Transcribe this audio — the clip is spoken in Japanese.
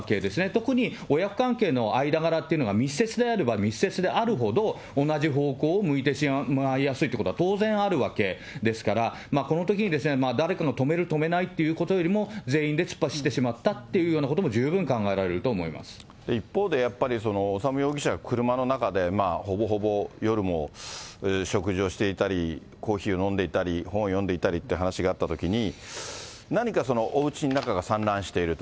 特に親子関係の間柄っていうのが密接であれば密接であるほど、同じ方向を向いてしまいやすいってことは当然あるわけですから、このときにですね、誰かを止める止めないというよりも、全員で突っ走ってしまったっていうようなことも十分考えられると一方で、やっぱり、修容疑者が車の中で、ほぼほぼ夜も食事をしていたり、コーヒーを飲んでいたり、本を読んでいたりっていう話があったときに、何かその、おうちの中が散乱していると。